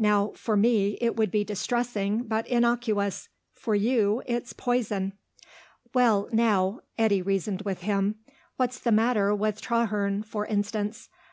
Now for me it would be distressing, but innocuous. For you it's poison." "Well, now," Eddy reasoned with him, "what's the matter with Traherne, for instance?